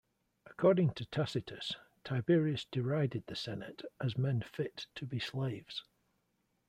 According to Tacitus, Tiberius derided the Senate as men fit to be slaves.